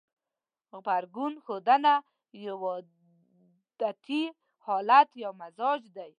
غبرګون ښودنه يو عادتي حالت يا مزاج دی.